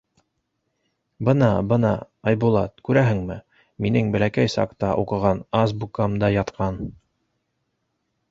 — Бына, бына, Айбулат, күрәһеңме, минең бәләкәй саҡта уҡыған азбукам да ятҡан.